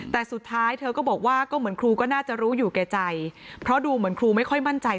แต่สุดท้ายเธอก็บอกว่าก็เหมือนครูก็น่าจะรู้อยู่แก่ใจเพราะดูเหมือนครูไม่ค่อยมั่นใจ